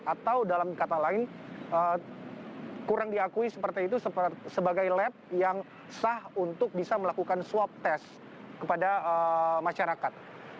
atau dalam kata lain kurang diakui seperti itu sebagai lab yang sah untuk bisa melakukan swab test kepada masyarakat